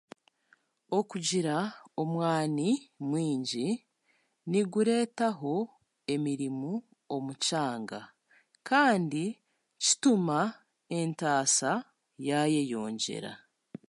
Okugira omwani mwingi nigureetaho emirimo omu kyanga kandi kituma entaasa yaayeyongyera